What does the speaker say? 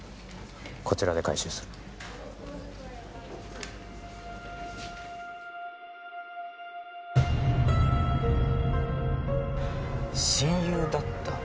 こちらで回収する親友だった？